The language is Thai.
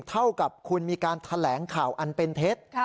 เท่ากับคุณมีการแถลงข่าวอันเป็นเท็จ